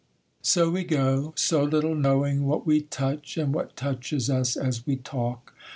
So we go,—so little knowing what we touch and what touches us as we talk!